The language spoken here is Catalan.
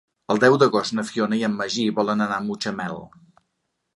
El deu d'agost na Fiona i en Magí volen anar a Mutxamel.